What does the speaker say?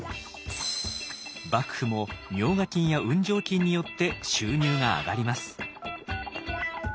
幕府も冥加金や運上金によって収入が上がります。